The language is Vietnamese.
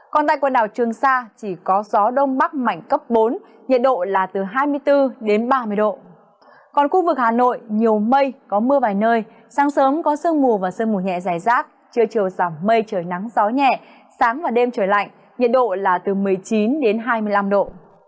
còn tại quần đảo trường sa chỉ có gió đông bắc mảnh cấp bốn nhiệt độ là từ một mươi chín đến hai mươi năm độ